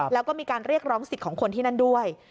แล้วก็มีการเรียกร้องสิทธิ์ของคนที่นั่นด้วย